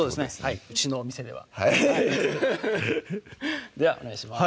はいうちのお店ではではお願いします